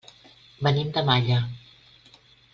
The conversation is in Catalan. Venim de Malla.